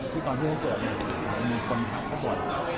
ที่ตอนที่เขาเกิดมีคนถามเขาบท